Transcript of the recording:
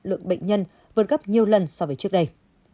lượng bệnh nhân vượt gấp nhiều lần so với trước đây